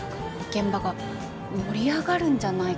現場が盛り上がるんじゃないかと。